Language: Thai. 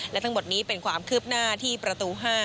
และทั้งหมดนี้เป็นความคืบหน้าที่ประตู๕